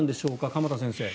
鎌田先生。